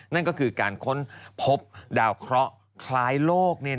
นั่นก็คือการค้นพบดาวเคราะห์คล้ายโลก